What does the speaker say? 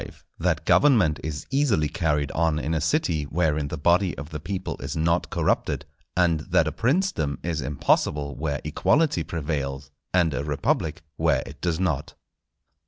—_That Government is easily carried on in a City wherein the body of the People is not corrupted: and that a Princedom is impossible where Equality prevails, and a Republic where it does not_.